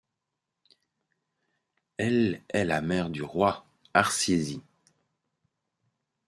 Elle est la mère du roi Harsiesi.